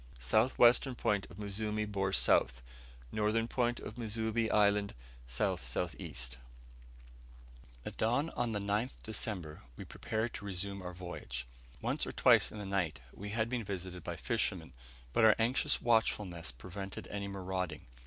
south western point of Muzimu bore S., northern point of Muzimu island, S.S.E. At dawn on the 9th December we prepared to resume our voyage. Once or twice in the night we had been visited by fishermen, but our anxious watchfulness prevented any marauding.